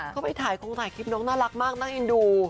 เข้าไปถ่ายคลิปน้องน่ารักมากน่าเอนดู